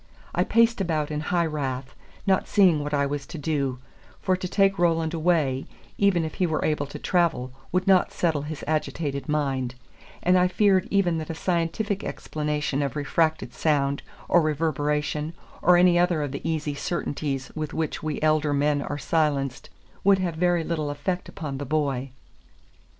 I paced about in high wrath, not seeing what I was to do; for to take Roland away, even if he were able to travel, would not settle his agitated mind; and I feared even that a scientific explanation of refracted sound or reverberation, or any other of the easy certainties with which we elder men are silenced, would have very little effect upon the boy.